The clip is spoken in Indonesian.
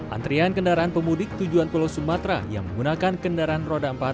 antrian kendaraan pemudik tujuan pulau sumatera yang menggunakan kendaraan roda empat